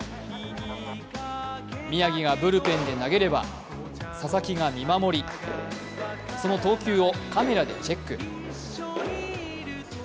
宮城がブルペンで投げれば佐々木が見守り、その投球をカメラでチェック。